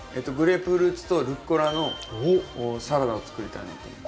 グレープフルーツとルッコラのサラダを作りたいなと。